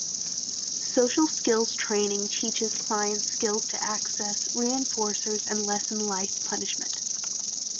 Social skills training teaches clients skills to access reinforcers and lessen life punishment.